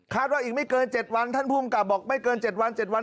ว่าอีกไม่เกิน๗วันท่านภูมิกับบอกไม่เกิน๗วัน๗วัน